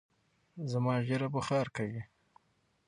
زما ژېره بوخار کوی